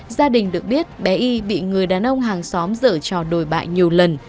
gia đình được biết bé y bị người đàn ông hàng xóm giờ trò đổi bại nhiều lần